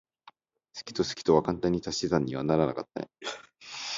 好きと好きは簡単には足し算にはならなかったね。